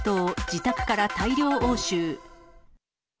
自宅から大量押収。